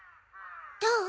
どう？